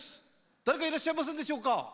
誰かいらっしゃいませんでしょうか？